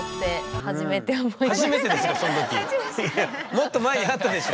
もっと前にあったでしょ。